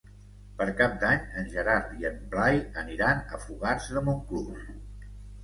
Per Cap d'Any en Gerard i en Blai aniran a Fogars de Montclús.